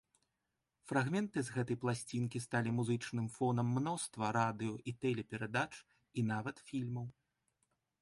Фрагменты з гэтай пласцінкі сталі музычным фонам мноства радыё- і тэлеперадач і нават фільмаў.